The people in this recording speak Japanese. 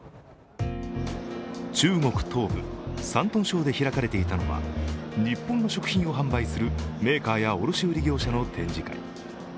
中国東部、山東省で開かれていたのは日本の食品を販売するメーカーや卸売業者の展示会。